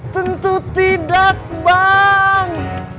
tentu tidak bang